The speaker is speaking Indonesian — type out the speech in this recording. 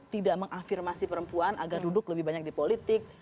tidak mengafirmasi perempuan agar duduk lebih banyak di politik